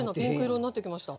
白くなってきました。